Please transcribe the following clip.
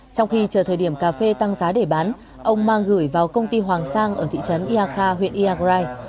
trong khi chờ thời điểm cà phê tăng giá để bán ông mang gửi vào công ty hoàng sang ở thị trấn ia kha huyện iagrai